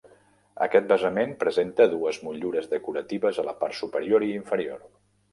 Aquest basament presenta dues motllures decoratives a la part superior i inferior.